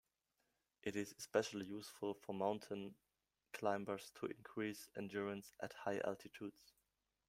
It is especially useful for mountain climbers to increase endurance at high altitudes.